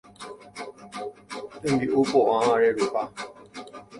tembi'u po'a reruha